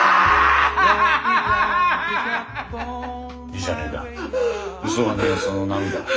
いいじゃねえか。